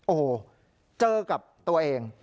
โอ้โหเจอกับตัวเอง